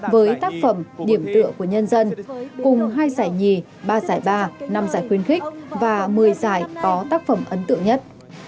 với tác phẩm điểm tựa của nhân dân cùng hai giải nhì ba giải ba năm giải khuyên khích và một mươi giải có tác phẩm ấn tượng nhất